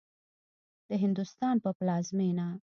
د هندوستان په پلازمېنه